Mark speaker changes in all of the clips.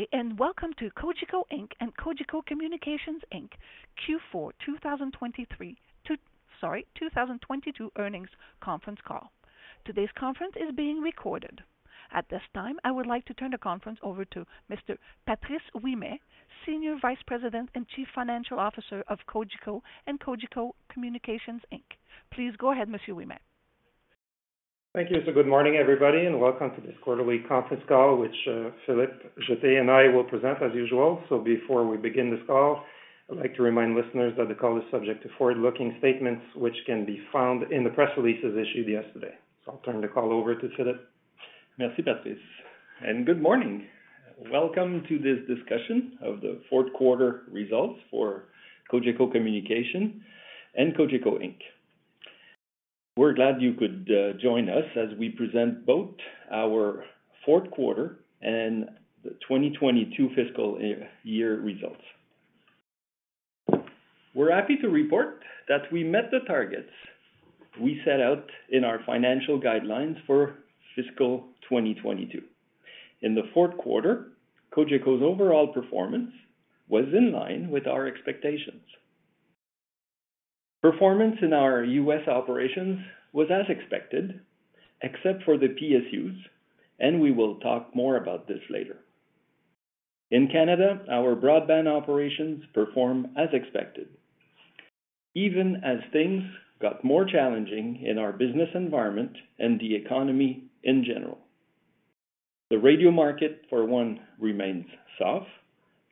Speaker 1: Good day, and welcome to Cogeco Inc. and Cogeco Communications Inc. Q4 2022 earnings conference call. Today's conference is being recorded. At this time, I would like to turn the conference over to Mr. Patrice Ouimet, Senior Vice President and Chief Financial Officer of Cogeco and Cogeco Communications Inc. Please go ahead, Mr. Ouimet.
Speaker 2: Thank you. Good morning, everybody, and welcome to this quarterly conference call which Philippe Jetté, and I will present as usual. Before we begin this call, I'd like to remind listeners that the call is subject to forward-looking statements, which can be found in the press releases issued yesterday. I'll turn the call over to Philippe.
Speaker 3: Merci, Patrice, and good morning. Welcome to this discussion of the fourth quarter results for Cogeco Communications and Cogeco Inc. We're glad you could join us as we present both our fourth quarter and the 2022 fiscal year results. We're happy to report that we met the targets we set out in our financial guidelines for fiscal 2022. In the fourth quarter, Cogeco's overall performance was in line with our expectations. Performance in our U.S. operations was as expected, except for the PSUs, and we will talk more about this later. In Canada, our broadband operations perform as expected, even as things got more challenging in our business environment and the economy in general. The radio market, for one, remains soft,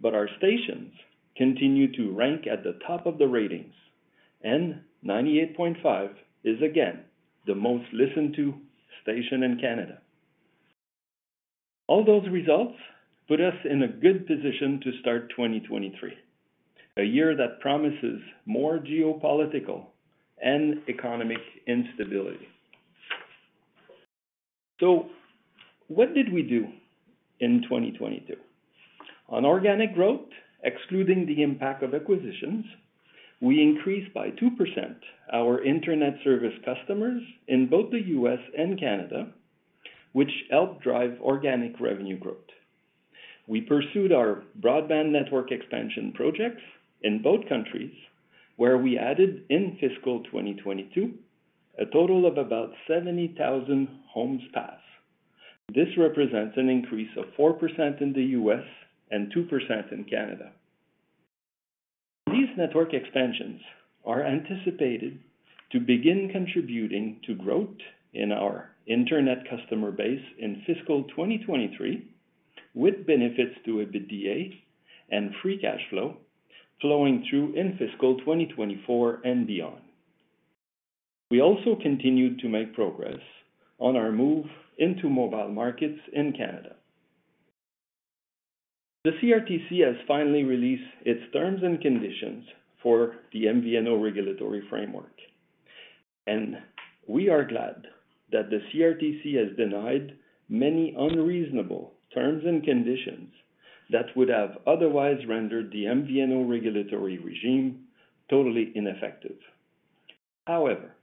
Speaker 3: but our stations continue to rank at the top of the ratings, and 98.5 is again the most listened to station in Canada. All those results put us in a good position to start 2023, a year that promises more geopolitical and economic instability. What did we do in 2022? On organic growth, excluding the impact of acquisitions, we increased by 2% our internet service customers in both the U.S. and Canada, which helped drive organic revenue growth. We pursued our broadband network expansion projects in both countries, where we added in fiscal 2022 a total of about 70,000 homes passed. This represents an increase of 4% in the U.S. and 2% in Canada. These network extensions are anticipated to begin contributing to growth in our internet customer base in fiscal 2023, with benefits to EBITDA and free cash flow flowing through in fiscal 2024 and beyond. We also continued to make progress on our move into mobile markets in Canada. The CRTC has finally released its terms and conditions for the MVNO regulatory framework, and we are glad that the CRTC has denied many unreasonable terms and conditions that would have otherwise rendered the MVNO regulatory regime totally ineffective. However,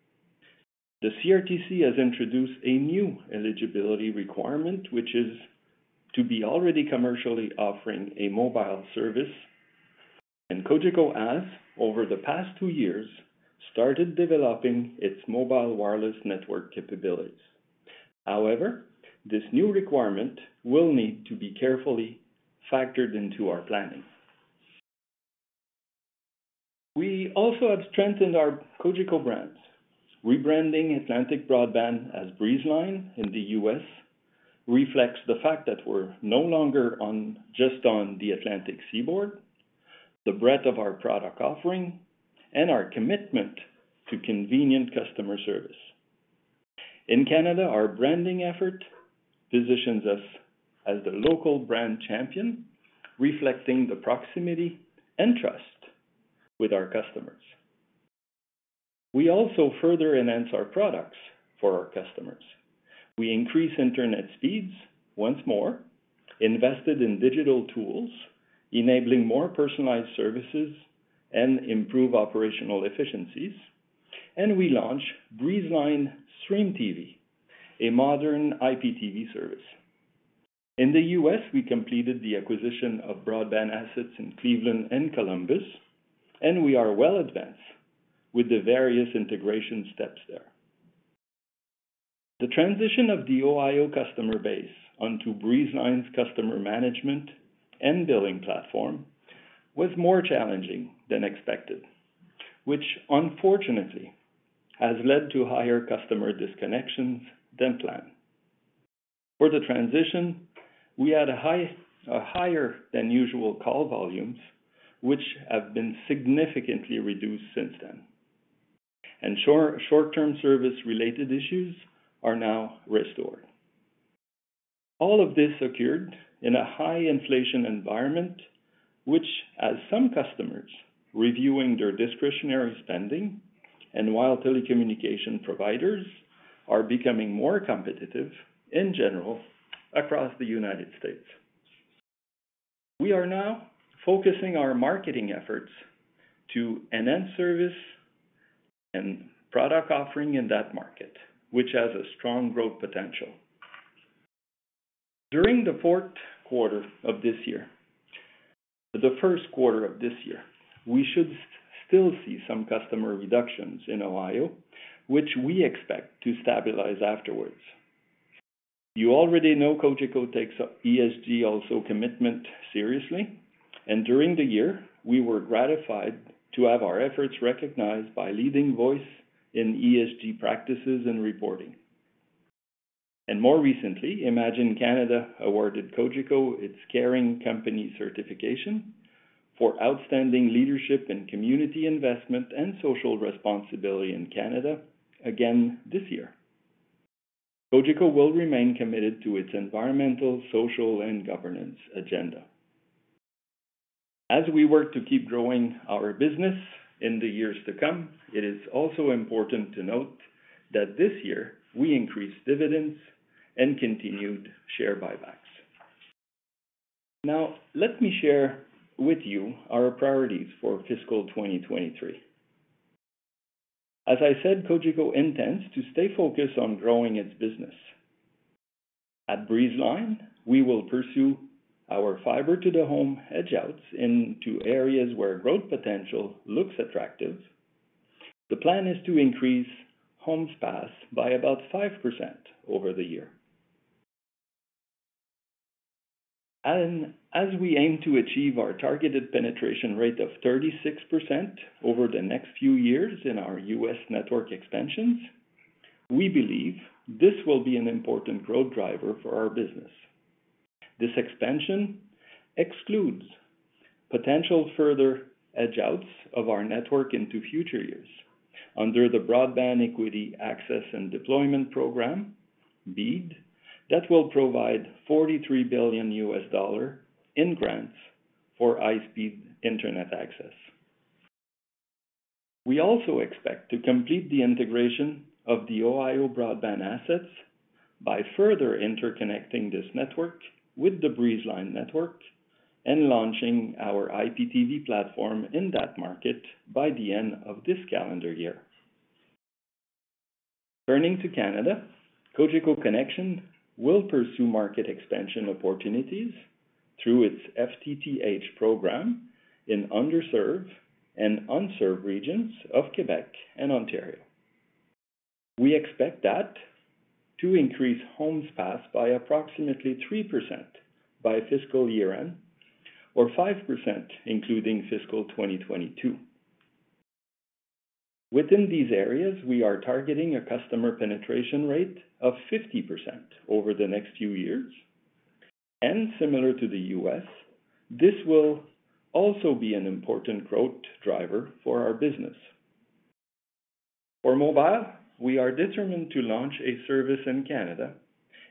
Speaker 3: the CRTC has introduced a new eligibility requirement, which is to be already commercially offering a mobile service, and Cogeco has, over the past two years, started developing its mobile wireless network capabilities. However, this new requirement will need to be carefully factored into our planning. We also have strengthened our Cogeco brands. Rebranding Atlantic Broadband as Breezeline in the U.S. reflects the fact that we're no longer just on the Atlantic seaboard, the breadth of our product offering, and our commitment to convenient customer service. In Canada, our branding effort positions us as the local brand champion, reflecting the proximity and trust with our customers. We also further enhanced our products for our customers. We increased internet speeds once more, invested in digital tools, enabling more personalized services and improve operational efficiencies, and we launched Breezeline Stream TV, a modern IPTV service. In the U.S., we completed the acquisition of broadband assets in Cleveland and Columbus, and we are well advanced with the various integration steps there. The transition of the Ohio customer base onto Breezeline's customer management and billing platform was more challenging than expected, which unfortunately has led to higher customer disconnections than planned. For the transition, we had a higher-than-usual call volumes, which have been significantly reduced since then. Short-term service-related issues are now restored. All of this occurred in a high-inflation environment, which has some customers reviewing their discretionary spending, and while telecommunication providers are becoming more competitive in general across the United States. We are now focusing our marketing efforts to enhance service and product offering in that market, which has a strong growth potential. The first quarter of this year, we should still see some customer reductions in Ohio, which we expect to stabilize afterwards. You already know Cogeco takes its ESG commitment seriously, and during the year we were gratified to have our efforts recognized by leading voice in ESG practices and reporting. More recently, Imagine Canada awarded Cogeco its Caring Company Certification for outstanding leadership in community investment and social responsibility in Canada again this year. Cogeco will remain committed to its environmental, social, and governance agenda. As we work to keep growing our business in the years to come, it is also important to note that this year we increased dividends and continued share buybacks. Now, let me share with you our priorities for fiscal 2023. As I said, Cogeco intends to stay focused on growing its business. At Breezeline, we will pursue our fiber to the home edge outs into areas where growth potential looks attractive. The plan is to increase homes passed by about 5% over the year. As we aim to achieve our targeted penetration rate of 36% over the next few years in our U.S. network expansions, we believe this will be an important growth driver for our business. This expansion excludes potential further edge outs of our network into future years under the Broadband Equity, Access, and Deployment program, BEAD, that will provide $43 billion in grants for high-speed internet access. We also expect to complete the integration of the Ohio broadband assets by further interconnecting this network with the Breezeline network and launching our IPTV platform in that market by the end of this calendar year. Turning to Canada, Cogeco Connexion will pursue market expansion opportunities through its FTTH program in underserved and unserved regions of Quebec and Ontario. We expect that to increase homes passed by approximately 3% by fiscal year-end, or 5% including fiscal 2022. Within these areas, we are targeting a customer penetration rate of 50% over the next few years, and similar to the U.S., this will also be an important growth driver for our business. For mobile, we are determined to launch a service in Canada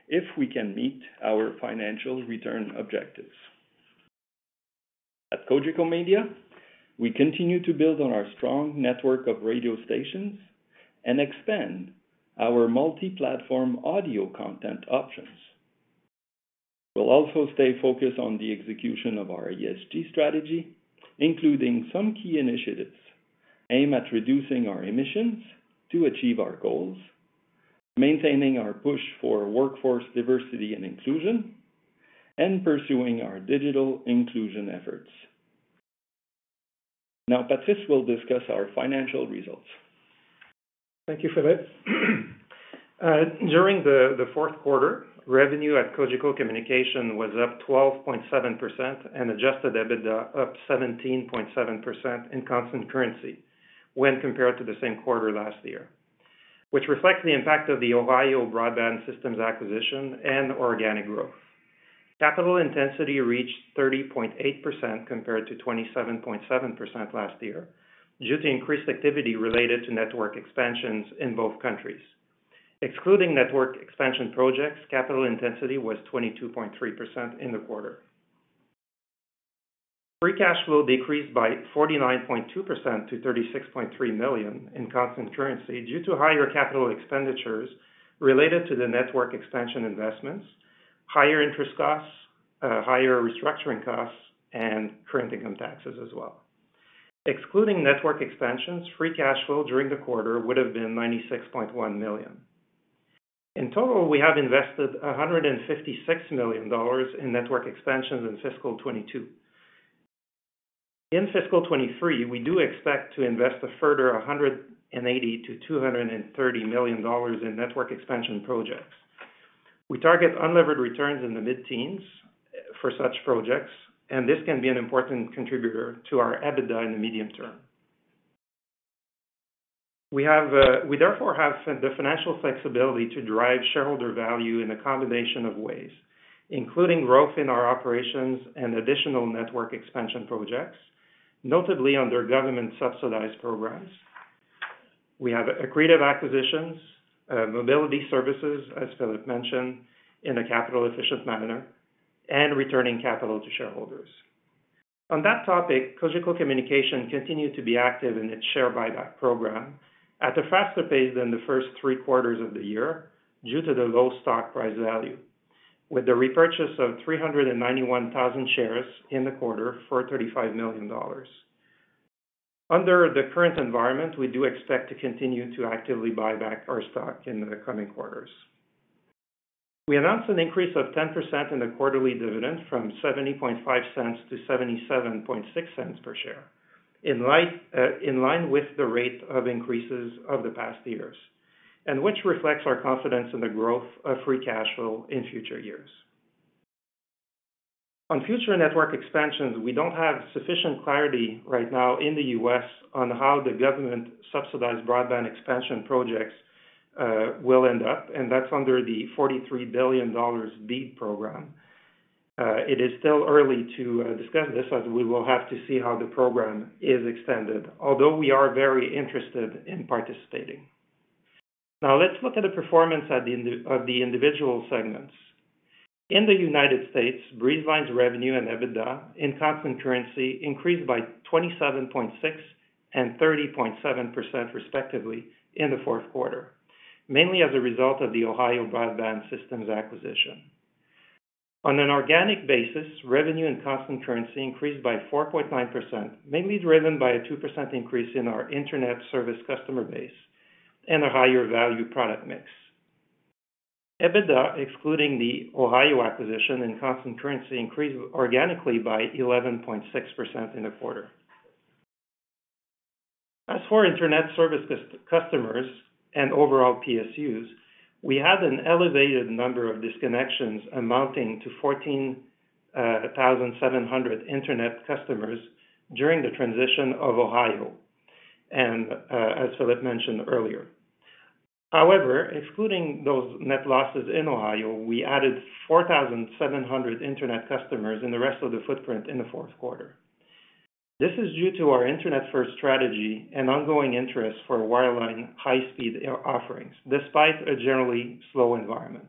Speaker 3: if we can meet our financial return objectives. At Cogeco Media, we continue to build on our strong network of radio stations and expand our multi-platform audio content options. We'll also stay focused on the execution of our ESG strategy, including some key initiatives aimed at reducing our emissions to achieve our goals, maintaining our push for workforce diversity and inclusion, and pursuing our digital inclusion efforts. Now Patrice will discuss our financial results.
Speaker 2: Thank you, Philippe. During the fourth quarter, revenue at Cogeco Communications was up 12.7% and adjusted EBITDA up 17.7% in constant currency when compared to the same quarter last year, which reflects the impact of the Ohio Broadband Systems acquisition and organic growth. Capital intensity reached 30.8% compared to 27.7% last year due to increased activity related to network expansions in both countries. Excluding network expansion projects, capital intensity was 22.3% in the quarter. Free cash flow decreased by 49.2% to 36.3 million in constant currency due to higher capital expenditures related to the network expansion investments, higher interest costs, higher restructuring costs, and current income taxes as well. Excluding network expansions, free cash flow during the quarter would have been 96.1 million. In total, we have invested 156 million dollars in network expansions in fiscal 2022. In fiscal 2023, we do expect to invest a further 180 million-230 million dollars in network expansion projects. We target unlevered returns in the mid-teens for such projects, and this can be an important contributor to our EBITDA in the medium term. We therefore have the financial flexibility to derive shareholder value in a combination of ways, including growth in our operations and additional network expansion projects, notably under government-subsidized programs. We have accretive acquisitions, mobility services, as Philippe mentioned, in a capital efficient manner, and returning capital to shareholders. On that topic, Cogeco Communications continued to be active in its share buyback program at a faster pace than the first three quarters of the year due to the low stock price value. With the repurchase of 391,000 shares in the quarter for 35 million dollars. Under the current environment, we do expect to continue to actively buy back our stock in the coming quarters. We announced an increase of 10% in the quarterly dividend from 0.705-0.776 per share. In line with the rate of increases of the past years, and which reflects our confidence in the growth of free cash flow in future years. On future network expansions, we don't have sufficient clarity right now in the U.S. on how the government subsidized broadband expansion projects will end up, and that's under the $43 billion BEAD program. It is still early to discuss this, as we will have to see how the program is extended, although we are very interested in participating. Now let's look at the performance of the individual segments. In the United States, Breezeline's revenue and EBITDA in constant currency increased by 27.6% and 30.7% respectively in the fourth quarter, mainly as a result of the Ohio Broadband Systems acquisition. On an organic basis, revenue and constant currency increased by 4.9%, mainly driven by a 2% increase in our internet service customer base and a higher value product mix. EBITDA, excluding the Ohio acquisition in constant currency, increased organically by 11.6% in the quarter. As for internet service customers and overall PSUs, we had an elevated number of disconnections amounting to 14,700 internet customers during the transition of Ohio, and as Philippe mentioned earlier. However, excluding those net losses in Ohio, we added 4,700 internet customers in the rest of the footprint in the fourth quarter. This is due to our Internet-first strategy and ongoing interest for wireline high-speed offerings, despite a generally slow environment.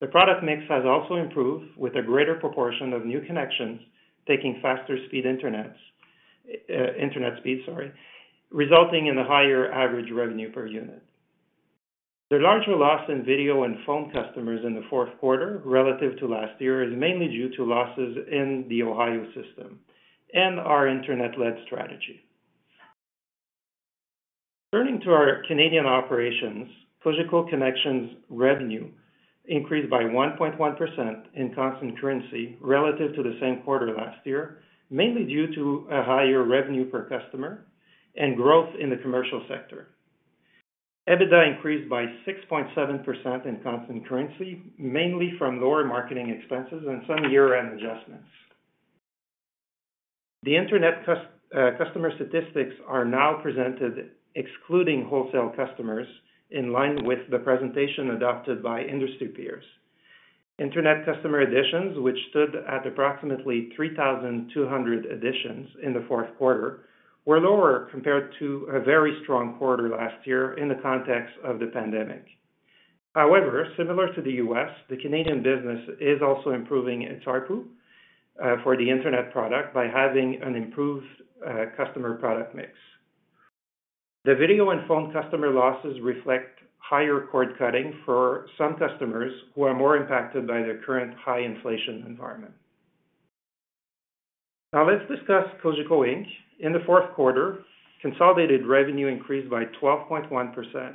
Speaker 2: The product mix has also improved, with a greater proportion of new connections taking faster speed Internets, Internet speed, sorry, resulting in a higher average revenue per unit. The larger loss in video and phone customers in the fourth quarter relative to last year is mainly due to losses in the Ohio system and our Internet-led strategy. Turning to our Canadian operations, Cogeco Connexion's revenue increased by 1.1% in constant currency relative to the same quarter last year, mainly due to a higher revenue per customer and growth in the commercial sector. EBITDA increased by 6.7% in constant currency, mainly from lower marketing expenses and some year-end adjustments. The Internet customer statistics are now presented excluding wholesale customers in line with the presentation adopted by industry peers. Internet customer additions, which stood at approximately 3,200 additions in the fourth quarter, were lower compared to a very strong quarter last year in the context of the pandemic. However, similar to the U.S., the Canadian business is also improving its ARPU for the Internet product by having an improved customer product mix. The video and phone customer losses reflect higher cord-cutting for some customers who are more impacted by their current high inflation environment. Now let's discuss Cogeco Inc. In the fourth quarter, consolidated revenue increased by 12.1%,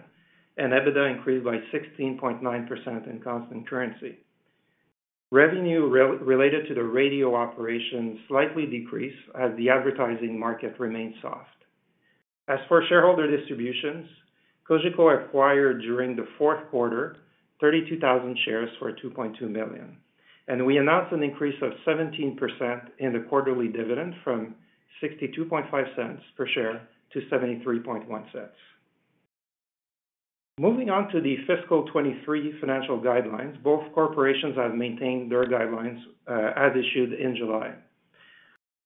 Speaker 2: and EBITDA increased by 16.9% in constant currency. Revenue related to the radio operations slightly decreased as the advertising market remained soft. As for shareholder distributions, Cogeco acquired during the fourth quarter 32,000 shares for 2.2 million, and we announced an increase of 17% in the quarterly dividend from 0.625 per share to 0.731 per share. Moving on to the fiscal 2023 financial guidelines. Both corporations have maintained their guidelines as issued in July.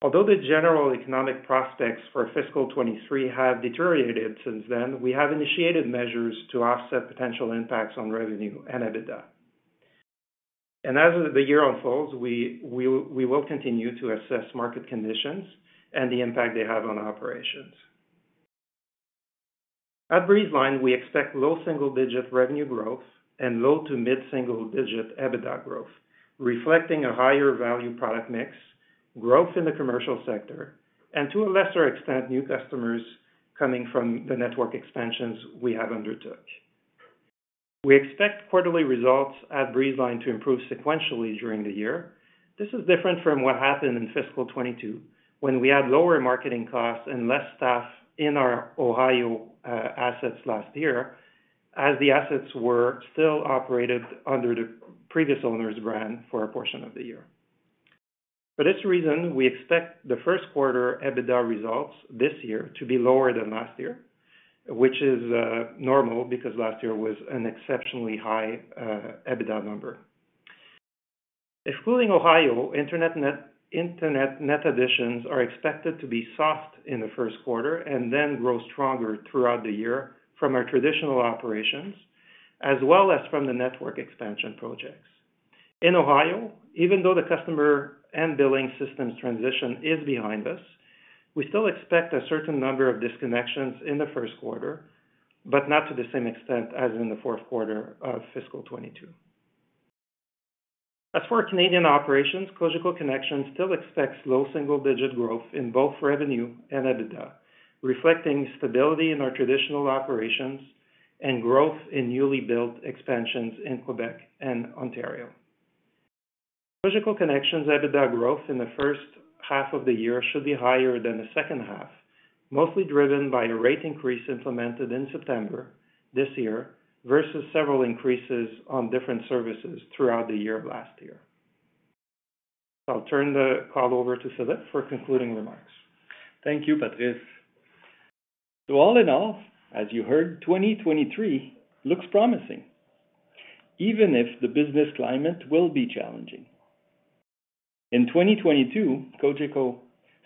Speaker 2: Although the general economic prospects for fiscal 2023 have deteriorated since then, we have initiated measures to offset potential impacts on revenue and EBITDA. As the year unfolds, we will continue to assess market conditions and the impact they have on operations. At Breezeline, we expect low double-digit revenue growth and low- to mid-single-digit EBITDA growth, reflecting a higher value product mix, growth in the commercial sector, and to a lesser extent, new customers coming from the network expansions we have undertook. We expect quarterly results at Breezeline to improve sequentially during the year. This is different from what happened in fiscal 2022 when we had lower marketing costs and less staff in our Ohio assets last year as the assets were still operated under the previous owner's brand for a portion of the year. For this reason, we expect the first quarter EBITDA results this year to be lower than last year, which is normal because last year was an exceptionally high EBITDA number. Excluding Ohio, Internet net additions are expected to be soft in the first quarter and then grow stronger throughout the year from our traditional operations as well as from the network expansion projects. In Ohio, even though the customer and billing systems transition is behind us. We still expect a certain number of disconnections in the first quarter, but not to the same extent as in the fourth quarter of fiscal 2022. As for Canadian operations, Cogeco Connexion still expects low single-digit growth in both revenue and EBITDA, reflecting stability in our traditional operations and growth in newly built expansions in Quebec and Ontario. Cogeco Connexion EBITDA growth in the first half of the year should be higher than the second half, mostly driven by a rate increase implemented in September this year versus several increases on different services throughout the year of last year. I'll turn the call over to Philippe for concluding remarks.
Speaker 3: Thank you, Patrice. So all in all, as you heard, 2023 looks promising, even if the business climate will be challenging. In 2022, Cogeco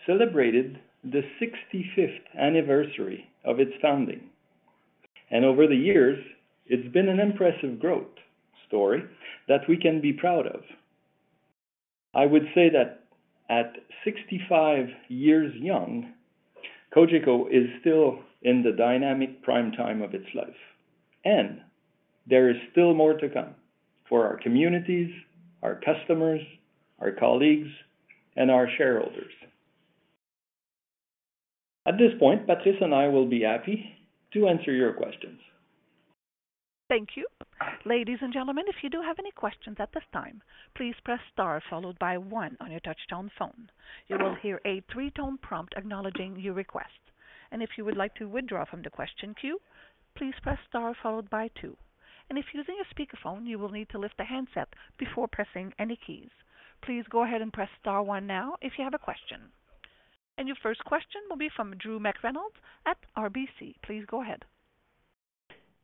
Speaker 3: celebrated the 65th anniversary of its founding. Over the years, it's been an impressive growth story that we can be proud of. I would say that at 65 years young, Cogeco is still in the dynamic prime time of its life, and there is still more to come for our communities, our customers, our colleagues, and our shareholders. At this point, Patrice and I will be happy to answer your questions.
Speaker 1: Thank you. Ladies and gentlemen, if you do have any questions at this time, please press star followed by one on your touch-tone phone. You will hear a three-tone prompt acknowledging your request. If you would like to withdraw from the question queue, please press star followed by two. If using a speakerphone, you will need to lift the handset before pressing any keys. Please go ahead and press star one now if you have a question. Your first question will be from Drew McReynolds at RBC. Please go ahead.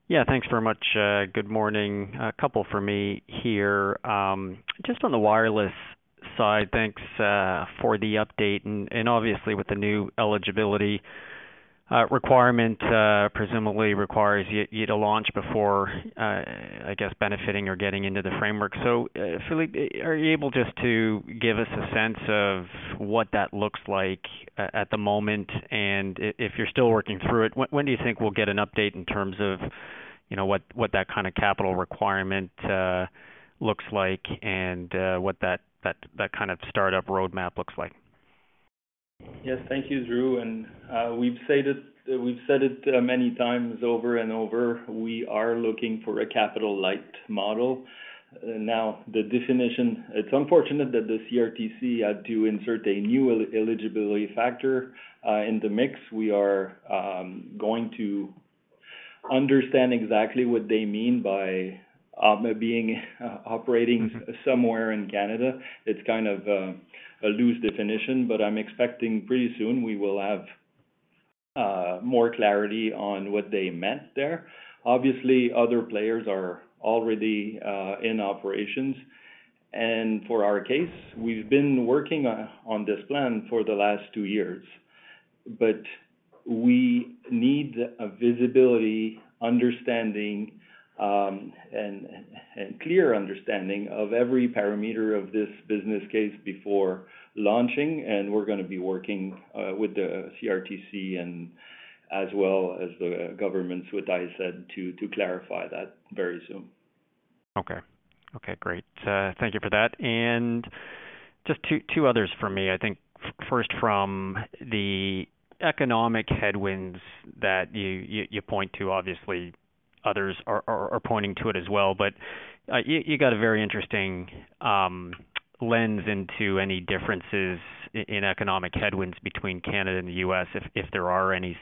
Speaker 4: Yeah, thanks very much. Good morning. A couple for me here. Just on the wireless side, thanks for the update. Obviously with the new eligibility requirement, presumably requires you to launch before, I guess benefiting or getting into the framework. Philippe, are you able just to give us a sense of what that looks like at the moment, and if you're still working through it, when do you think we'll get an update in terms of, you know, what that kinda capital requirement looks like and, what that kind of startup roadmap looks like?
Speaker 3: Yes, thank you, Drew. We've said it many times over and over, we are looking for a capital light model. Now, the definition. It's unfortunate that the CRTC had to insert a new eligibility factor in the mix. We are going to understand exactly what they mean by it being operating somewhere in Canada. It's kind of a loose definition, but I'm expecting pretty soon we will have more clarity on what they meant there. Obviously, other players are already in operations. For our case, we've been working on this plan for the last two years. We need a visibility, understanding, and clear understanding of every parameter of this business case before launching, and we're gonna be working with the CRTC and as well as the governments with ISED to clarify that very soon.
Speaker 4: Okay, great. Thank you for that. Just two others for me, I think first from the economic headwinds that you point to, obviously others are pointing to it as well. You got a very interesting lens into any differences in economic headwinds between Canada and the U.S. if there are any.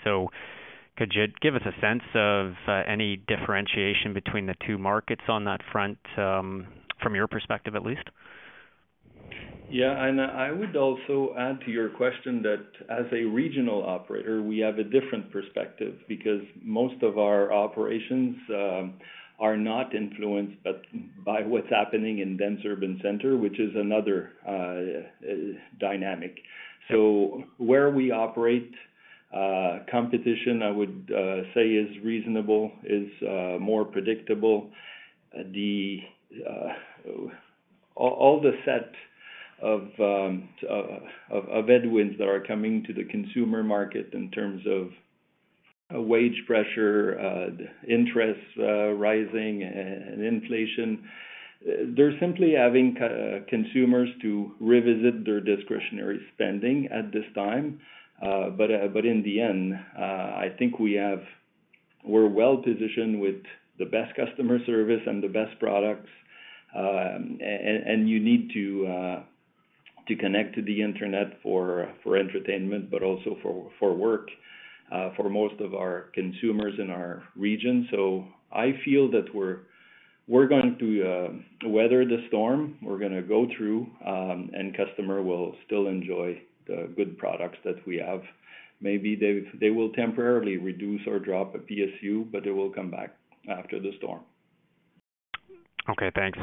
Speaker 4: Could you give us a sense of any differentiation between the two markets on that front, from your perspective at least?
Speaker 3: Yeah. I would also add to your question that as a regional operator, we have a different perspective because most of our operations are not influenced by what's happening in dense urban center, which is another dynamic. Where we operate, competition I would say is reasonable, more predictable. The set of headwinds that are coming to the consumer market in terms of wage pressure, interest rates rising and inflation, they're simply causing consumers to revisit their discretionary spending at this time. In the end, I think we're well-positioned with the best customer service and the best products. You need to connect to the Internet for entertainment, but also for work, for most of our consumers in our region. I feel that we're going to weather the storm, we're gonna go through, and customer will still enjoy the good products that we have. Maybe they will temporarily reduce or drop a PSU, but they will come back after the storm.
Speaker 4: Okay, thanks.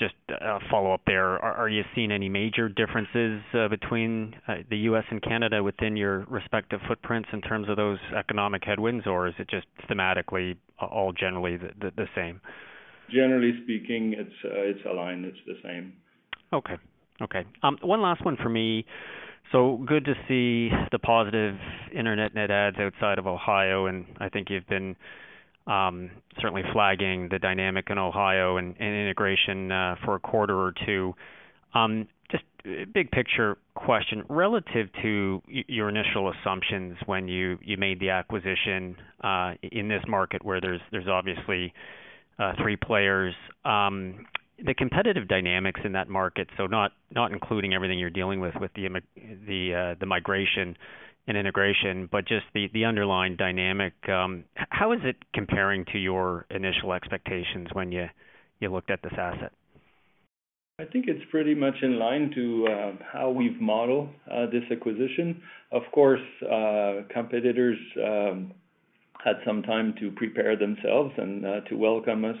Speaker 4: Just a follow-up there. Are you seeing any major differences between the U.S. and Canada within your respective footprints in terms of those economic headwinds, or is it just thematically all generally the same?
Speaker 2: Generally speaking, it's aligned. It's the same.
Speaker 4: Okay. Okay. One last one for me. Good to see the positive internet net adds outside of Ohio, and I think you've been certainly flagging the dynamic in Ohio and integration for a quarter or two. Just big picture question. Relative to your initial assumptions when you made the acquisition in this market where there's obviously three players, the competitive dynamics in that market, so not including everything you're dealing with with the migration and integration, but just the underlying dynamic, how is it comparing to your initial expectations when you looked at this asset?
Speaker 2: I think it's pretty much in line to how we've modeled this acquisition. Of course, competitors had some time to prepare themselves and to welcome us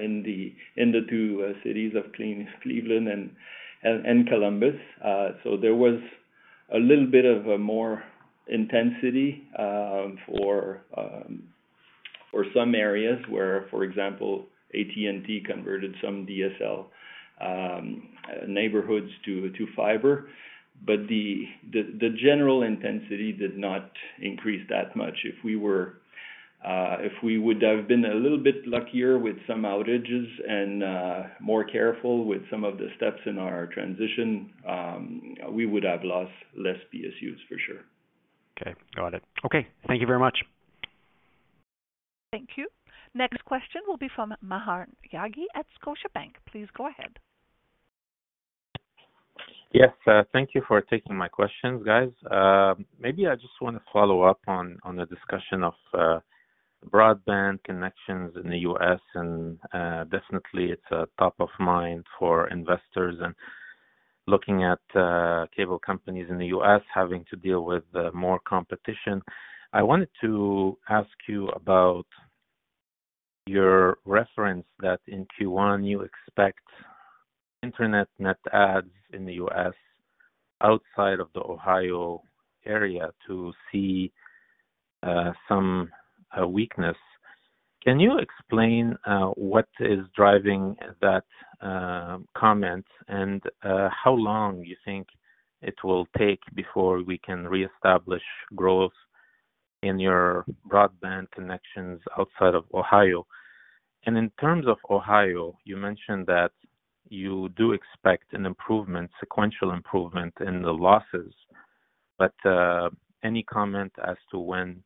Speaker 2: in the two cities of Cleveland and Columbus. There was a little bit of more intensity for some areas where, for example, AT&T converted some DSL neighborhoods to fiber. The general intensity did not increase that much. If we would have been a little bit luckier with some outages and more careful with some of the steps in our transition, we would have lost less PSUs for sure.
Speaker 4: Okay. Got it. Okay. Thank you very much.
Speaker 1: Thank you. Next question will be from Maher Yaghi at Scotiabank. Please go ahead.
Speaker 5: Yes. Thank you for taking my questions, guys. Maybe I just want to follow up on the discussion of broadband connections in the U.S. and definitely it's top of mind for investors and looking at cable companies in the U.S. having to deal with more competition. I wanted to ask you about your reference that in Q1, you expect internet net adds in the U.S. outside of the Ohio area to see some weakness. Can you explain what is driving that comment and how long you think it will take before we can reestablish growth in your broadband connections outside of Ohio? In terms of Ohio, you mentioned that you do expect an improvement, sequential improvement in the losses. Any comment as to when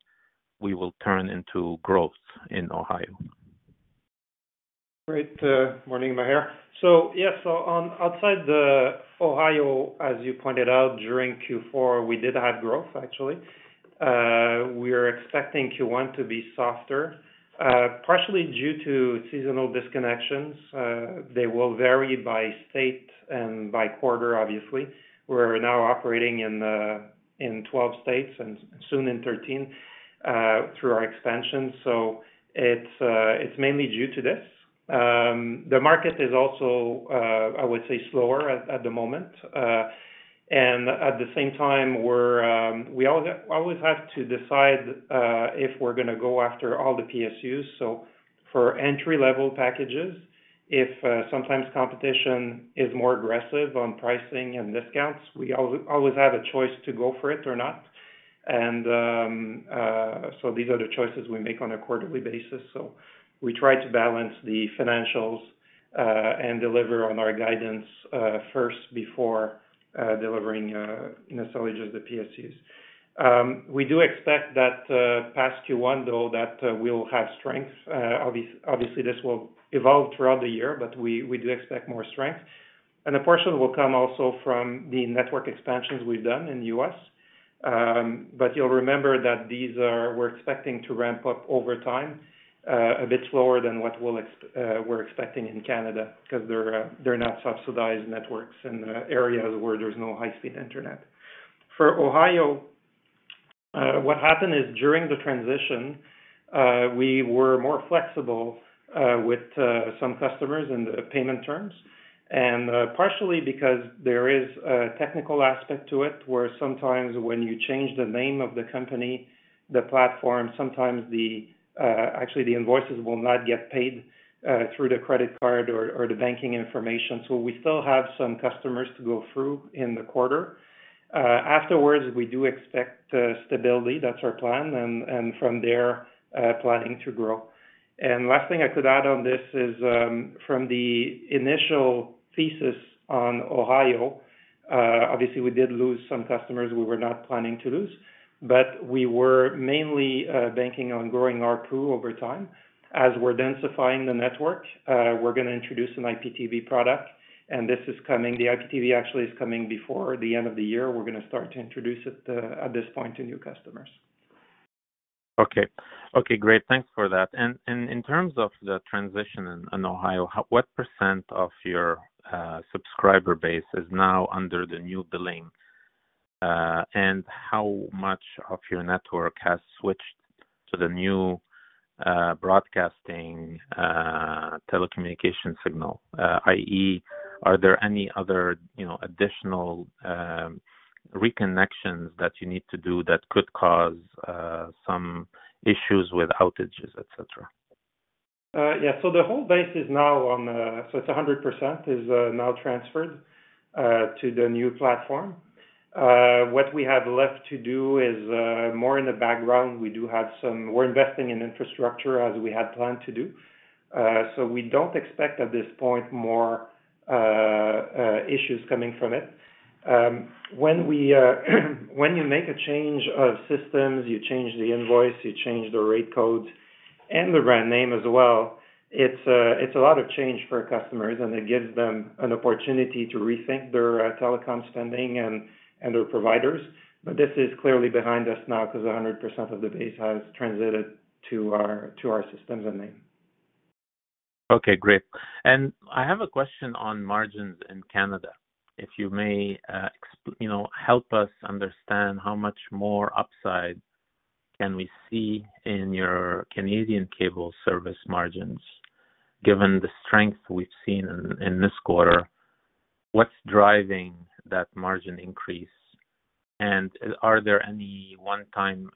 Speaker 5: we will turn into growth in Ohio?
Speaker 2: Great morning, Maher. Yes. Outside the Ohio, as you pointed out, during Q4, we did have growth, actually. We are expecting Q1 to be softer, partially due to seasonal disconnections. They will vary by state and by quarter, obviously. We're now operating in 12 states and soon in 13 through our expansion. It's mainly due to this. The market is also, I would say, slower at the moment. And at the same time, we're always have to decide if we're gonna go after all the PSUs. For entry-level packages, if sometimes competition is more aggressive on pricing and discounts, we always have a choice to go for it or not. These are the choices we make on a quarterly basis. We try to balance the financials and deliver on our guidance first before delivering, you know, settlement of the PSUs. We do expect that past Q1, though, we'll have strength. Obviously, this will evolve throughout the year, but we do expect more strength. A portion will come also from the network expansions we've done in the U.S. But you'll remember that these are. We're expecting to ramp up over time a bit slower than what we're expecting in Canada because they're not subsidized networks in the areas where there's no high-speed internet. For Ohio, what happened is during the transition, we were more flexible with some customers in the payment terms. Partially because there is a technical aspect to it, where sometimes when you change the name of the company, the platform, actually the invoices will not get paid through the credit card or the banking information. We still have some customers to go through in the quarter. Afterwards, we do expect stability. That's our plan. From there, planning to grow. Last thing I could add on this is from the initial thesis on Ohio, obviously we did lose some customers we were not planning to lose, but we were mainly banking on growing ARPU over time. As we're densifying the network, we're gonna introduce an IPTV product, and this is coming. The IPTV actually is coming before the end of the year. We're gonna start to introduce it at this point to new customers.
Speaker 5: Okay. Okay, great. Thanks for that. In terms of the transition in Ohio, what percent of your subscriber base is now under the new billing? How much of your network has switched to the new broadcasting telecommunication signal? I.e., are there any other, you know, additional reconnections that you need to do that could cause some issues with outages, et cetera?
Speaker 2: The whole base is now on. It's 100% now transferred to the new platform. What we have left to do is more in the background. We're investing in infrastructure as we had planned to do. We don't expect at this point more issues coming from it. When you make a change of systems, you change the invoice, you change the rate codes and the brand name as well. It's a lot of change for customers, and it gives them an opportunity to rethink their telecom spending and their providers. This is clearly behind us now 'cause 100% of the base has translated to our systems and name.
Speaker 5: Okay, great. I have a question on margins in Canada. If you may, you know, help us understand how much more upside can we see in your Canadian cable service margins, given the strength we've seen in this quarter. What's driving that margin increase? Are there any one time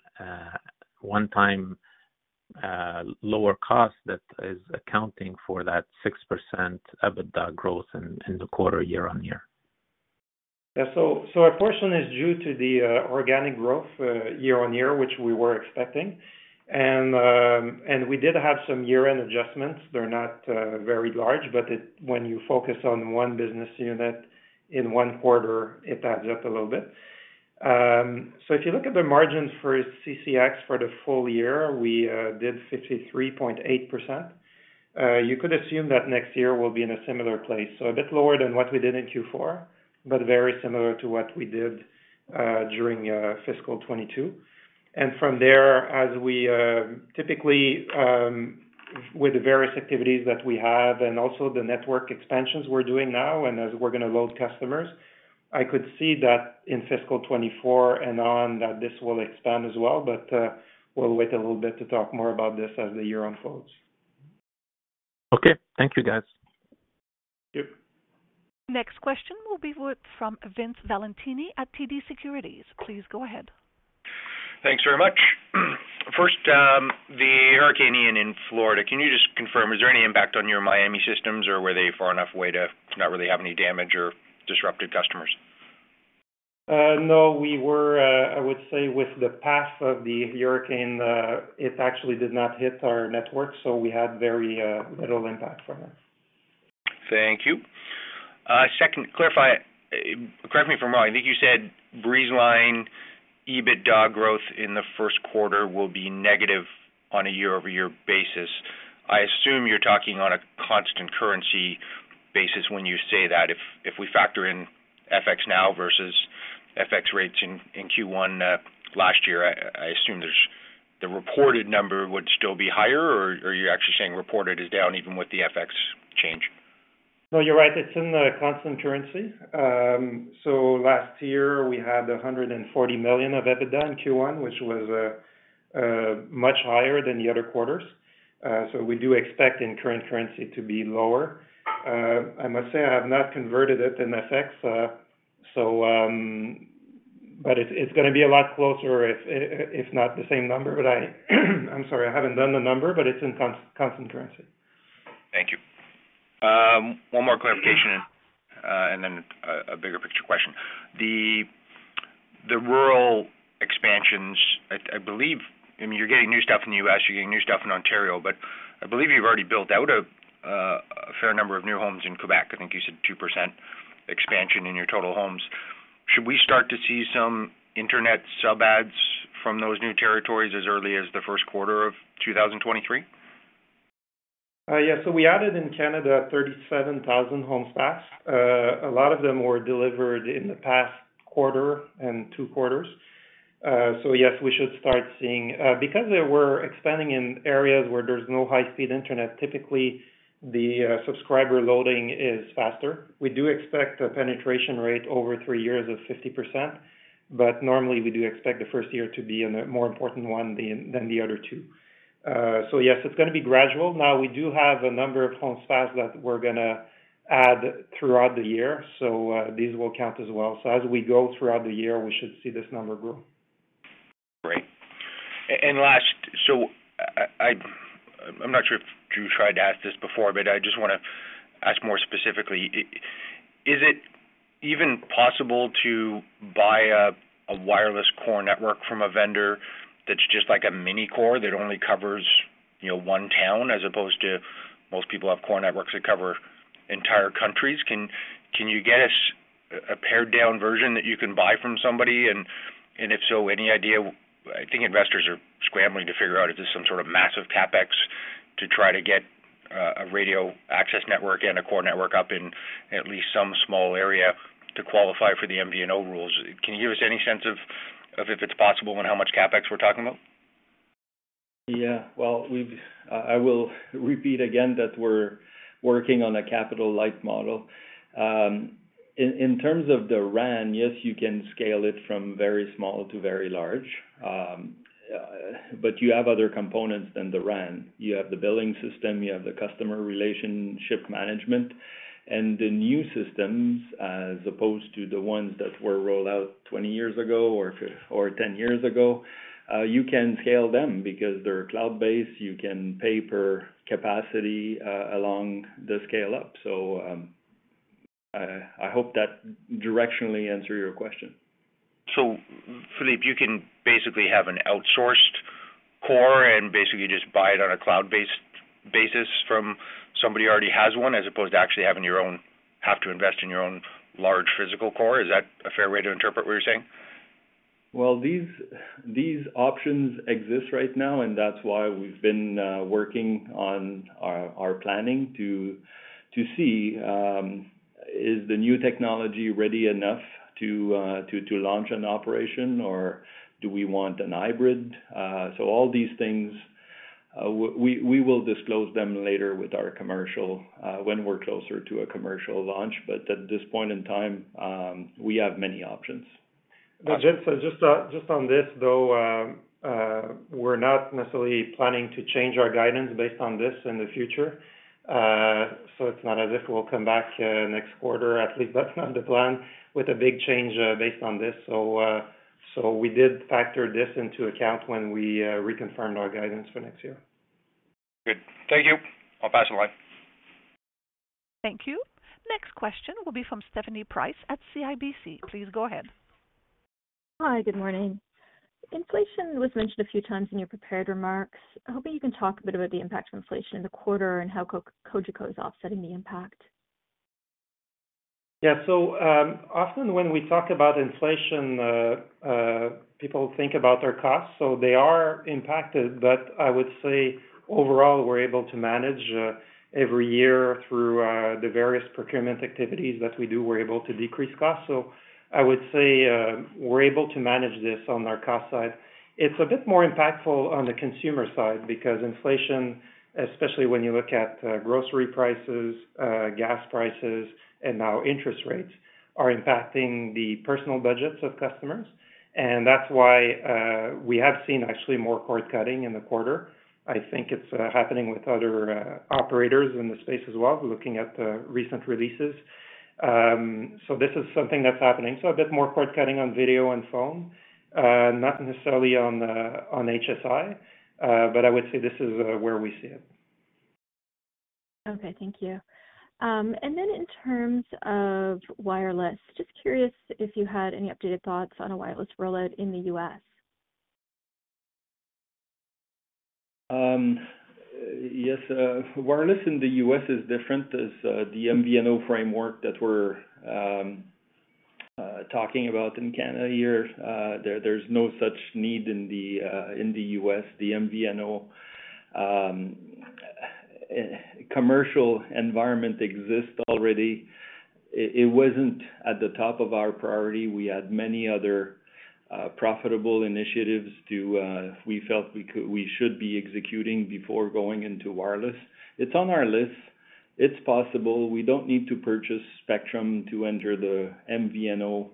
Speaker 5: lower cost that is accounting for that 6% EBITDA growth in the quarter year-over-year?
Speaker 2: Yeah. A portion is due to the organic growth year-over-year, which we were expecting. We did have some year-end adjustments. They're not very large, but when you focus on one business unit in one quarter, it adds up a little bit. If you look at the margins for CCX for the full year, we did 63.8%. You could assume that next year we'll be in a similar place. A bit lower than what we did in Q4, but very similar to what we did during fiscal 2022. From there, as we typically with the various activities that we have and also the network expansions we're doing now and as we're gonna load customers, I could see that in fiscal 2024 and on that this will expand as well. We'll wait a little bit to talk more about this as the year unfolds.
Speaker 5: Okay. Thank you, guys.
Speaker 2: Yep.
Speaker 1: Next question will be from Vince Valentini at TD Securities. Please go ahead.
Speaker 6: Thanks very much. First, the hurricane in Florida. Can you just confirm, is there any impact on your Miami systems, or were they far enough away to not really have any damage or disrupted customers?
Speaker 2: No, I would say with the path of the hurricane, it actually did not hit our network, so we had very little impact from it.
Speaker 6: Thank you. Second, correct me if I'm wrong. I think you said Breezeline EBITDA growth in the first quarter will be negative on a year-over-year basis. I assume you're talking on a constant currency basis when you say that. If we factor in FX now versus FX rates in Q1 last year, I assume the reported number would still be higher, or you're actually saying reported is down even with the FX change?
Speaker 2: No, you're right. It's in the constant currency. Last year we had 140 million of EBITDA in Q1, which was much higher than the other quarters. We do expect in current currency to be lower. I must say I have not converted it in FX. It's gonna be a lot closer if not the same number. I'm sorry, I haven't done the number, but it's in constant currency.
Speaker 6: Thank you. One more clarification, and then a bigger picture question. The rural expansions, I believe, I mean, you're getting new stuff in the U.S., you're getting new stuff in Ontario, but I believe you've already built out a fair number of new homes in Quebec. I think you said 2% expansion in your total homes. Should we start to see some internet sub adds from those new territories as early as the first quarter of 2023?
Speaker 2: Yes. We added in Canada 37,000 homes passed. A lot of them were delivered in the past quarter and two quarters. We should start seeing because they were expanding in areas where there's no high-speed internet, typically, the subscriber loading is faster. We do expect a penetration rate over three years of 50%, but normally we do expect the first year to be a more important one than the other two. It's gonna be gradual. Now, we do have a number of homes passed that we're gonna add throughout the year, so these will count as well. As we go throughout the year, we should see this number grow.
Speaker 6: Great. Last, I'm not sure if Drew tried to ask this before, but I just wanna ask more specifically. Is it even possible to buy a wireless core network from a vendor that's just like a mini core that only covers, you know, one town, as opposed to most people have core networks that cover entire countries? Can you get us a pared down version that you can buy from somebody? If so, any idea. I think investors are scrambling to figure out if there's some sort of massive CapEx to try to get a radio access network and a core network up in at least some small area to qualify for the MVNO rules. Can you give us any sense of if it's possible and how much CapEx we're talking about?
Speaker 2: Yeah. Well, I will repeat again that we're working on a capital light model. In terms of the RAN, yes, you can scale it from very small to very large. You have other components than the RAN. You have the billing system, you have the customer relationship management. The new systems, as opposed to the ones that were rolled out 20 years ago or 10 years ago, you can scale them because they're cloud-based. You can pay per capacity, along the scale up. I hope that directionally answer your question.
Speaker 6: Philippe, you can basically have an outsourced core and basically just buy it on a cloud-based basis from somebody who already has one, as opposed to actually having to invest in your own large physical core. Is that a fair way to interpret what you're saying?
Speaker 3: Well, these options exist right now, and that's why we've been working on our planning to see is the new technology ready enough to launch an operation or do we want a hybrid? All these things, we will disclose them later with our commercial when we're closer to a commercial launch. At this point in time, we have many options.
Speaker 2: Just on this, though, we're not necessarily planning to change our guidance based on this in the future. It's not as if we'll come back next quarter. At least that's not the plan with a big change based on this. We did factor this into account when we reconfirmed our guidance for next year.
Speaker 6: Good. Thank you. I'll pass the line.
Speaker 1: Thank you. Next question will be from Stephanie Price at CIBC. Please go ahead.
Speaker 7: Hi. Good morning. Inflation was mentioned a few times in your prepared remarks. I'm hoping you can talk a bit about the impact of inflation in the quarter and how Cogeco is offsetting the impact.
Speaker 2: Yeah. Often when we talk about inflation, people think about their costs, so they are impacted. I would say overall, we're able to manage every year through the various procurement activities that we do. We're able to decrease costs. I would say we're able to manage this on our cost side. It's a bit more impactful on the consumer side because inflation, especially when you look at grocery prices, gas prices and now interest rates are impacting the personal budgets of customers. That's why we have seen actually more cord-cutting in the quarter. I think it's happening with other operators in the space as well, looking at the recent releases. This is something that's happening. A bit more cord-cutting on video and phone, not necessarily on HSI, but I would say this is where we see it.
Speaker 7: Okay, thank you. In terms of wireless, just curious if you had any updated thoughts on a wireless rollout in the U.S.?
Speaker 3: Yes. Wireless in the U.S. is different, as the MVNO framework that we're talking about in Canada here. There's no such need in the U.S. The MVNO commercial environment exists already. It wasn't at the top of our priority. We had many other profitable initiatives we should be executing before going into wireless. It's on our list. It's possible. We don't need to purchase spectrum to enter the MVNO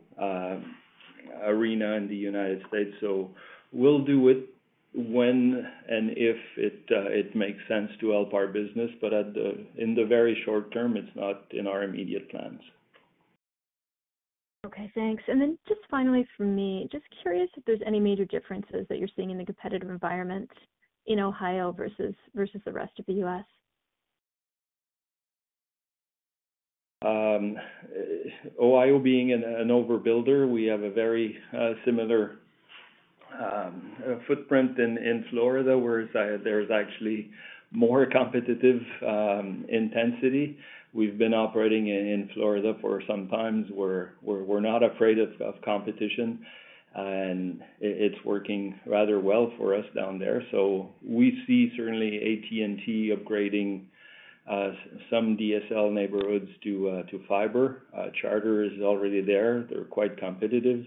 Speaker 3: arena in the United States, so we'll do it when and if it makes sense to help our business. In the very short term, it's not in our immediate plans.
Speaker 7: Okay, thanks. Just finally from me, just curious if there's any major differences that you're seeing in the competitive environment in Ohio versus the rest of the U.S.?
Speaker 3: Ohio being an overbuilder, we have a very similar footprint in Florida, whereas there's actually more competitive intensity. We've been operating in Florida for some time. We're not afraid of competition, and it's working rather well for us down there. We see certainly AT&T upgrading some DSL neighborhoods to fiber. Charter is already there. They're quite competitive,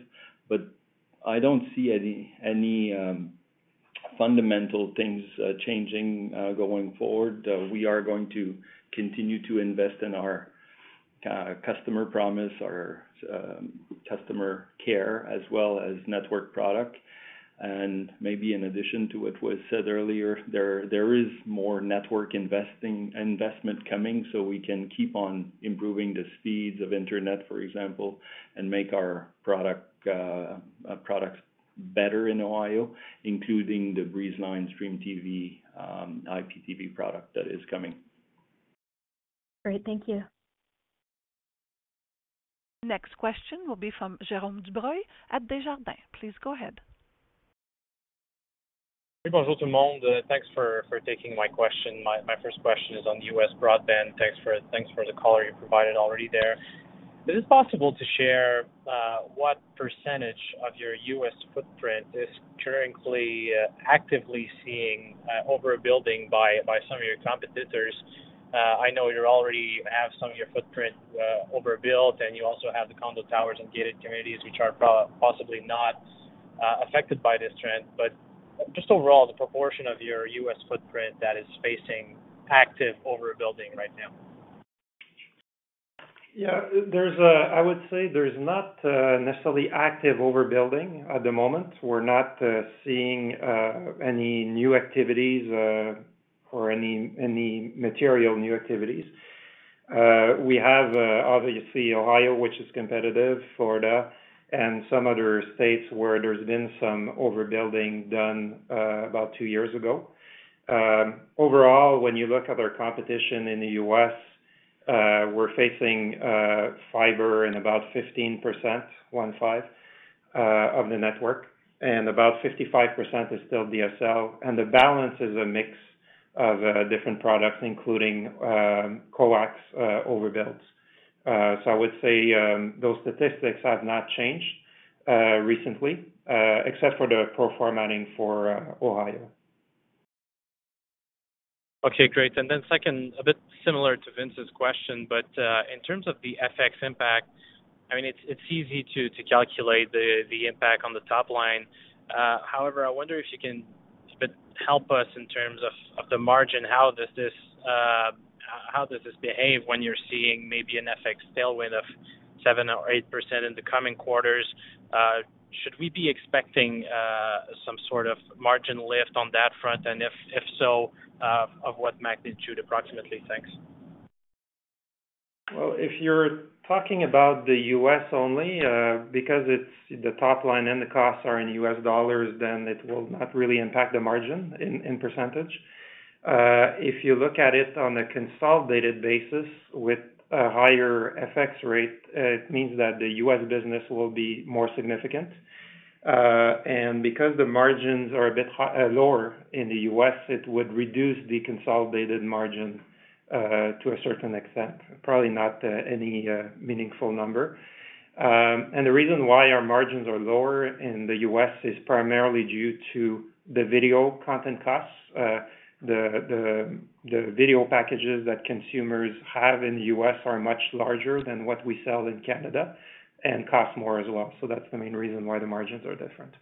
Speaker 3: but I don't see any fundamental things changing going forward. We are going to continue to invest in our customer promise, our customer care, as well as network product. Maybe in addition to what was said earlier, there is more network investment coming, so we can keep on improving the speeds of internet, for example, and make our products better in Ohio, including the Breezeline Stream TV IPTV product that is coming.
Speaker 7: Great. Thank you.
Speaker 1: Next question will be from Jerome Dubreuil at Desjardins. Please go ahead.
Speaker 8: Thanks for taking my question. My first question is on U.S. broadband. Thanks for the color you provided already there. Is it possible to share what percentage of your U.S. footprint is currently actively seeing overbuilding by some of your competitors? I know you already have some of your footprint overbuilt, and you also have the condo towers and gated communities, which are possibly not affected by this trend. Just overall, the proportion of your US footprint that is facing active overbuilding right now.
Speaker 2: Yeah, I would say there's not necessarily active overbuilding at the moment. We're not seeing any new activities or any material new activities. We have obviously Ohio, which is competitive, Florida and some other states where there's been some overbuilding done about two years ago. Overall, when you look at our competition in the U.S., we're facing fiber in about 15% of the network, and about 55% is still DSL, and the balance is a mix of different products, including coax overbuilds. I would say those statistics have not changed recently except for the pro forma thing for Ohio.
Speaker 8: Okay, great. Second, a bit similar to Vince's question, but in terms of the FX impact, I mean, it's easy to calculate the impact on the top line. However, I wonder if you can help us in terms of the margin, how does this behave when you're seeing maybe an FX tailwind of 7% or 8% in the coming quarters? Should we be expecting some sort of margin lift on that front? If so, of what magnitude approximately? Thanks.
Speaker 2: Well, if you're talking about the U.S. only, because it's the top line and the costs are in U.S. dollars, then it will not really impact the margin in percentage. If you look at it on a consolidated basis with a higher FX rate, it means that the U.S. business will be more significant. Because the margins are a bit lower in the U.S., it would reduce the consolidated margin to a certain extent, probably not any meaningful number. The reason why our margins are lower in the U.S. is primarily due to the video content costs. The video packages that consumers have in the U.S. are much larger than what we sell in Canada and cost more as well. That's the main reason why the margins are different.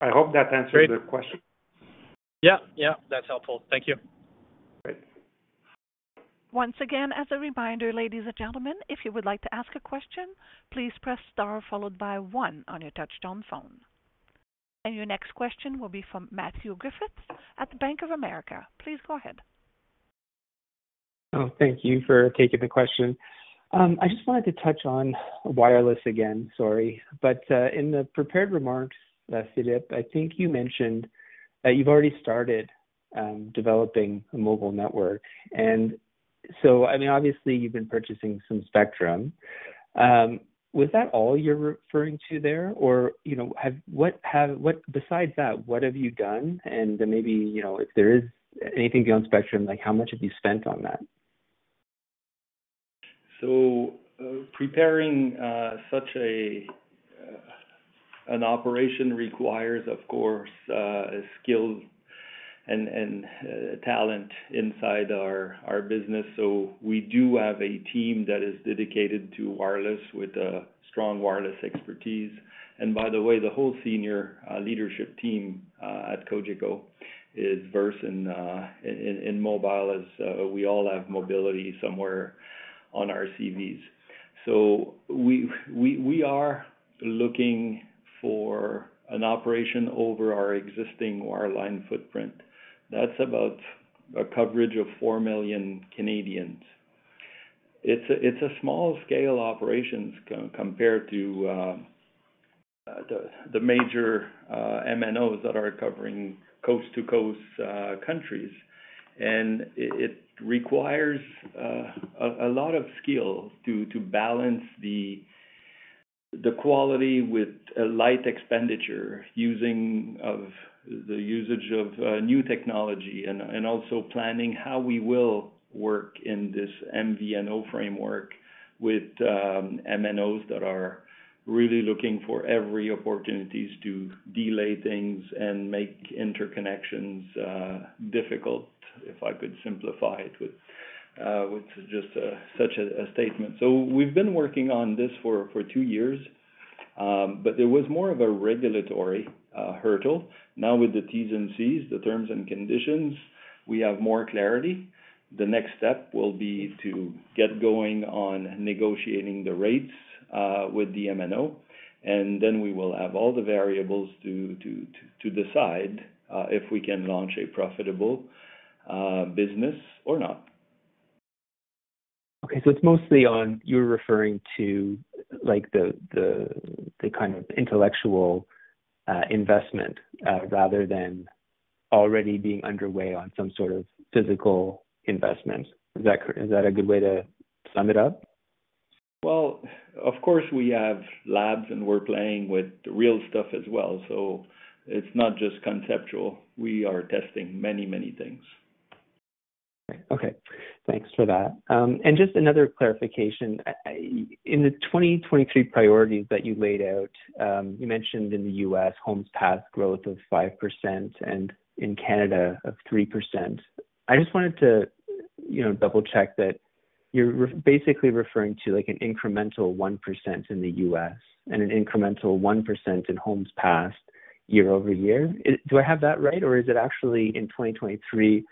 Speaker 2: I hope that answered your question.
Speaker 8: Great. Yeah, yeah. That's helpful. Thank you.
Speaker 2: Great.
Speaker 1: Once again, as a reminder, ladies and gentlemen, if you would like to ask a question, please press star followed by one on your touchtone phone. Your next question will be from Matthew Griffiths at the Bank of America. Please go ahead.
Speaker 9: Oh, thank you for taking the question. I just wanted to touch on wireless again. Sorry. In the prepared remarks, Philippe, I think you mentioned that you've already started developing a mobile network. I mean, obviously you've been purchasing some spectrum. Was that all you're referring to there? Or, you know, besides that, what have you done? And then maybe, you know, if there is anything beyond spectrum, like how much have you spent on that?
Speaker 2: Preparing such an operation requires, of course, skill and talent inside our business. We do have a team that is dedicated to wireless with a strong wireless expertise. By the way, the whole senior leadership team at Cogeco is versed in mobile as we all have mobility somewhere on our CVs. We are looking for an operation over our existing wireline footprint. That's about a coverage of 4 million Canadians. It's a small scale operations compared to the major MNOs that are covering coast-to-coast countries. It requires a lot of skill to balance the quality with a light expenditure using of. The usage of new technology and also planning how we will work in this MVNO framework with MNOs that are really looking for every opportunities to delay things and make interconnections difficult, if I could simplify it with just such a statement. We've been working on this for two years, but there was more of a regulatory hurdle. Now with the T's and C's, the terms and conditions, we have more clarity. The next step will be to get going on negotiating the rates with the MNO, and then we will have all the variables to decide if we can launch a profitable business or not.
Speaker 9: Okay. It's mostly on. You're referring to, like, the kind of intellectual investment rather than already being underway on some sort of physical investment. Is that a good way to sum it up?
Speaker 2: Well, of course, we have labs, and we're playing with the real stuff as well, so it's not just conceptual. We are testing many, many things.
Speaker 9: Okay. Thanks for that. Just another clarification. In the 2023 priorities that you laid out, you mentioned in the U.S., homes passed growth of 5% and in Canada of 3%. I just wanted to, you know, double-check that you're basically referring to, like, an incremental 1% in the U.S. and an incremental 1% in homes passed year-over-year. Do I have that right? Or is it actually in 2023,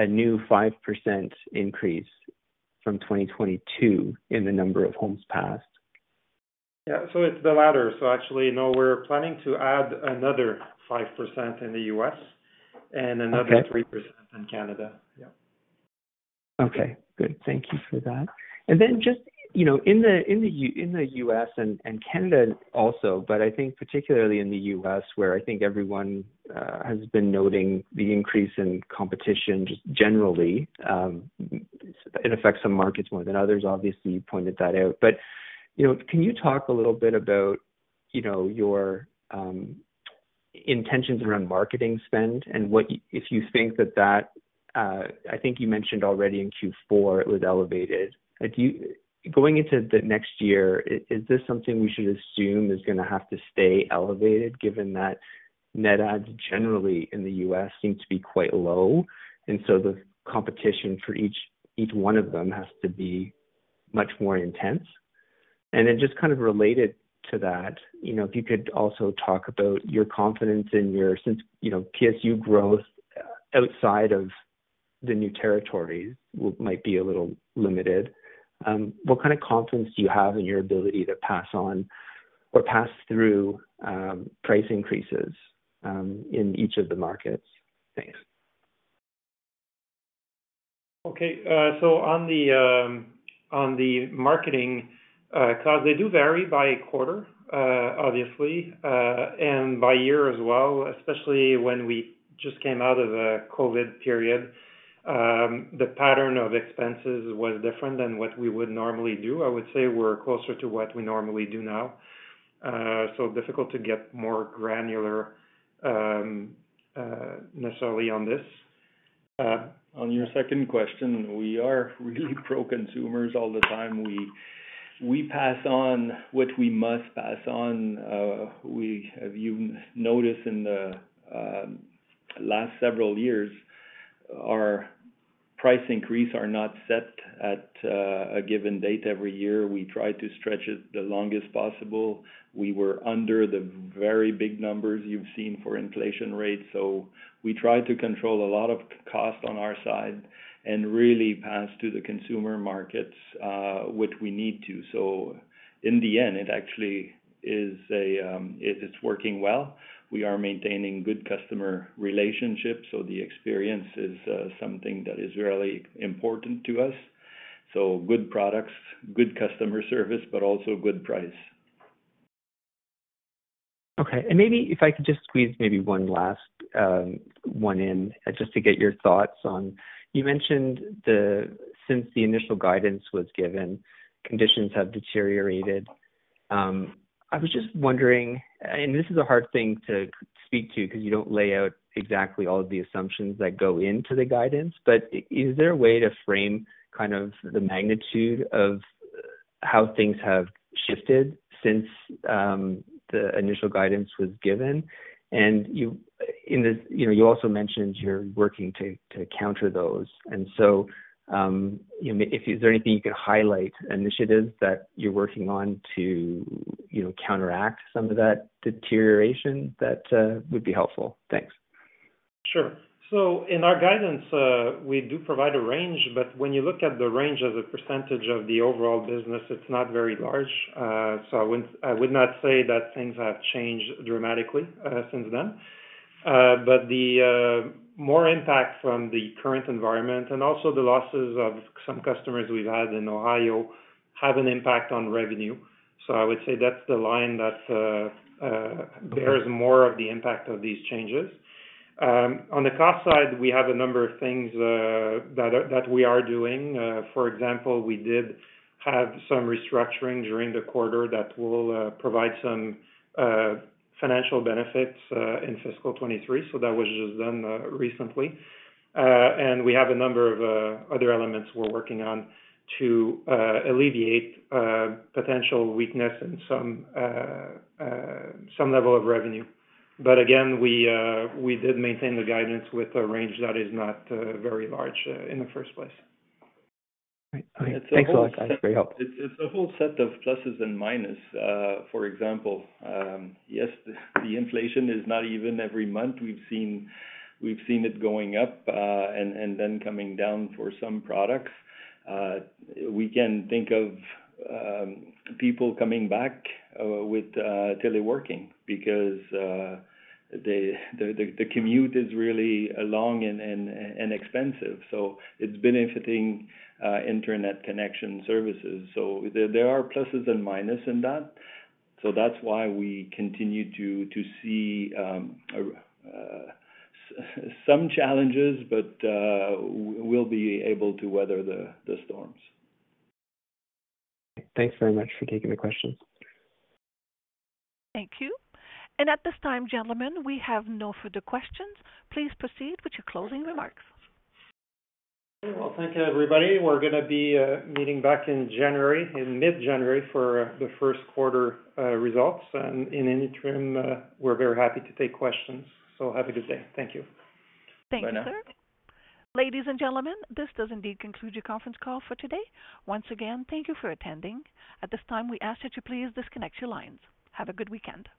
Speaker 9: a new 5% increase from 2022 in the number of homes passed?
Speaker 2: Yeah, it's the latter. Actually, no, we're planning to add another 5% in the U.S.
Speaker 9: Okay.
Speaker 2: Another 3% in Canada. Yeah.
Speaker 9: Okay, good. Thank you for that. Just, you know, in the U.S. and Canada also, but I think particularly in the U.S. where I think everyone has been noting the increase in competition just generally, it affects some markets more than others, obviously, you pointed that out. You know, can you talk a little bit about, you know, your intentions around marketing spend and what if you think that, I think you mentioned already in Q4 it was elevated. Going into the next year, is this something we should assume is gonna have to stay elevated given that net adds generally in the U.S. seem to be quite low, and so the competition for each one of them has to be much more intense? Just kind of related to that, you know, if you could also talk about your confidence. Since you know, PSU growth outside of the new territories might be a little limited, what kind of confidence do you have in your ability to pass on or pass through price increases in each of the markets? Thanks.
Speaker 2: Okay. On the marketing costs, they do vary by quarter, obviously, and by year as well, especially when we just came out of a COVID period. The pattern of expenses was different than what we would normally do. I would say we're closer to what we normally do now. Difficult to get more granular, necessarily on this. On your second question, we are really pro-consumers all the time. We pass on what we must pass on. We have even noticed in the last several years, our price increase are not set at a given date every year. We try to stretch it the longest possible. We were under the very big numbers you've seen for inflation rates. We try to control a lot of cost on our side and really pass to the consumer markets what we need to. In the end, it actually is working well. We are maintaining good customer relationships, so the experience is something that is really important to us. Good products, good customer service, but also good price.
Speaker 9: Okay. Maybe if I could just squeeze maybe one last one in just to get your thoughts on. You mentioned since the initial guidance was given, conditions have deteriorated. I was just wondering, and this is a hard thing to speak to because you don't lay out exactly all of the assumptions that go into the guidance, but is there a way to frame, kind of, the magnitude of how things have shifted since the initial guidance was given? You, in this, you know, you also mentioned you're working to counter those. You know, is there anything you could highlight initiatives that you're working on to, you know, counteract some of that deterioration? That would be helpful. Thanks.
Speaker 2: In our guidance, we do provide a range, but when you look at the range as a percentage of the overall business, it's not very large. I would not say that things have changed dramatically since then. The more impact from the current environment and also the losses of some customers we've had in Ohio have an impact on revenue. I would say that's the line that bears more of the impact of these changes. On the cost side, we have a number of things that we are doing. For example, we did have some restructuring during the quarter that will provide some financial benefits in fiscal 2023. That was just done recently. We have a number of other elements we're working on to alleviate potential weakness in some level of revenue. Again, we did maintain the guidance with a range that is not very large in the first place.
Speaker 9: Great. Thanks a lot. That's very helpful.
Speaker 2: It's a whole set of pluses and minuses. For example, yes, the inflation is not even every month. We've seen it going up, and then coming down for some products. We can think of people coming back with teleworking because the commute is really long and expensive. It's benefiting internet connection services. There are pluses and minuses in that. That's why we continue to see some challenges, but we'll be able to weather the storms.
Speaker 9: Thanks very much for taking the questions.
Speaker 1: Thank you. At this time, gentlemen, we have no further questions. Please proceed with your closing remarks.
Speaker 2: Okay. Well, thank you, everybody. We're gonna be meeting back in January, in mid-January for the first quarter results. In the interim, we're very happy to take questions. Have a good day. Thank you.
Speaker 1: Thank you, sir.
Speaker 2: Bye now.
Speaker 1: Ladies and gentlemen, this does indeed conclude your conference call for today. Once again, thank you for attending. At this time, we ask that you please disconnect your lines. Have a good weekend.